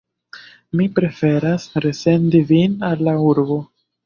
Mi preferas resendi vin al la urbo.